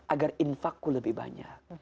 agar infakku lebih banyak